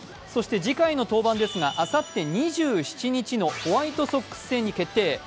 そして次回の登板ですがあさって２７日のホワイトソックス戦に決定。